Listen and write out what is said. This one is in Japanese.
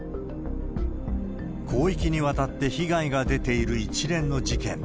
広域にわたって被害が出ている一連の事件。